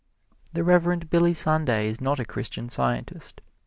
The Reverend Billy Sunday is not a Christian Scientist.